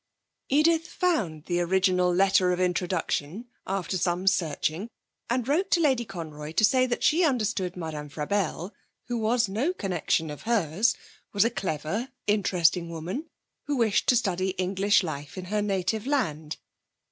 Edith found the original letter of introduction, after some searching, and wrote to Lady Conroy to say that she understood Madame Frabelle, who was no connection of hers, was a clever, interesting woman, who wished to study English life in her native land.